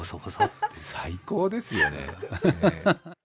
最高ですよね。